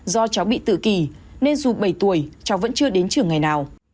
do cháu bị tự kỷ nên dù bảy tuổi cháu vẫn chưa đến trường ngày nào